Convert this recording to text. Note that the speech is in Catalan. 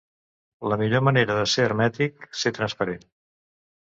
La millor manera de ser hermètic, ser transparent.